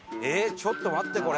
ちょっと待ってこれ。